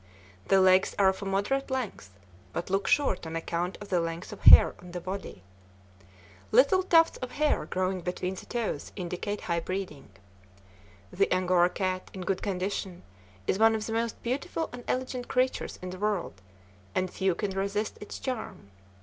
The legs are of a moderate length, but look short on account of the length of hair on the body. Little tufts of hair growing between the toes indicate high breeding. The Angora cat, in good condition, is one of the most beautiful and elegant creatures in the world, and few can resist its charm.